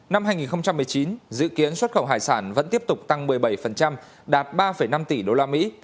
năm hai nghìn một mươi chín dự kiến xuất khẩu hải sản vẫn tiếp tục tăng một mươi bảy đạt ba năm tỷ đô la mỹ